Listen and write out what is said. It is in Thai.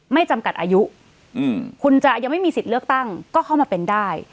จำกัดอายุคุณจะยังไม่มีสิทธิ์เลือกตั้งก็เข้ามาเป็นได้